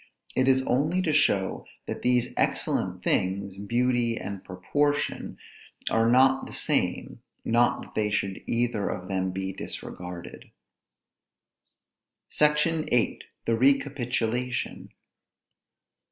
It is only to show that these excellent things, beauty and proportion, are not the same; not that they should either of them be disregarded. SECTION VIII. THE RECAPITULATION.